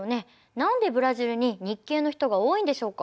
何でブラジルに日系の人が多いんでしょうか？